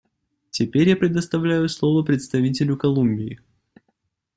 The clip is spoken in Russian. Теперь я предоставляю слово представителю Колумбии.